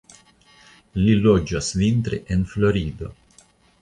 Li loĝas vintre en Florido.